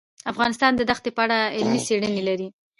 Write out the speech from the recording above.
افغانستان د دښتې په اړه علمي څېړنې لري.